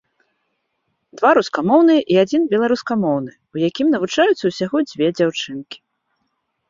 Два рускамоўныя і адзін беларускамоўны, у якім навучаюцца ўсяго дзве дзяўчынкі.